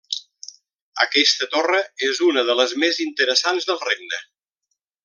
Aquesta torre és una de les més interessants del Regne.